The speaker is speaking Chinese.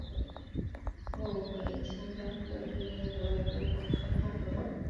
后海清真寺至今一直未恢复宗教活动。